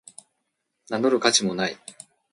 名乗る価値もない